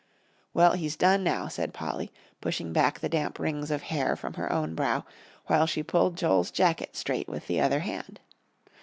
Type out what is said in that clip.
"Well, he's done now," said Polly, pushing back the damp rings of hair from her own brow, while she pulled Joel's jacket straight with the other hand.